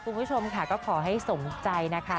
คุณผู้ชมค่ะก็ขอให้สมใจนะคะ